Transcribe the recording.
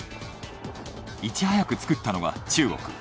いち早く作ったのは中国。